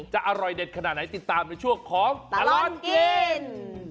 อร่อยเด็ดขนาดไหนติดตามในช่วงของตลอดกิน